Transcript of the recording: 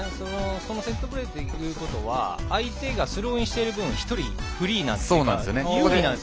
セットプレーということは相手がスローインしている分１人フリーなんです、有利です。